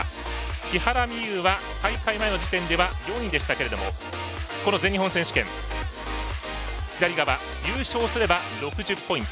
木原美悠は大会前の時点では４位でしたけれどもこの全日本選手権優勝すれば６０ポイント